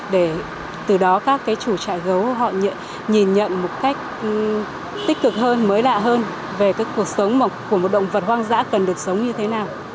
để từ đó các chủ trại gấu họ nhìn nhận một cách tích cực hơn mới lạ hơn về cuộc sống của một động vật hoang dã cần được sống như thế nào